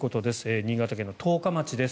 新潟県の十日町です。